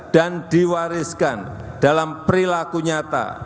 dan diwariskan dalam perilaku nyata